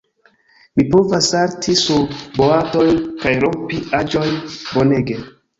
Mi povas salti sur boatojn, kaj rompi aĵojn. Bonege.